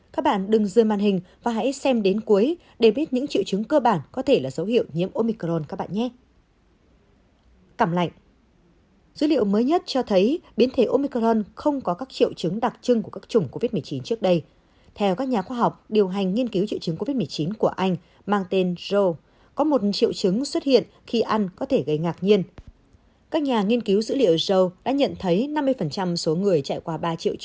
các bạn đừng dư màn hình và hãy xem đến cuối để biết những triệu chứng cơ bản có thể là dấu hiệu nhiễm omicron các bạn nhé